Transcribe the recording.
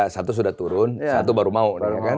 satu sudah turun satu baru mau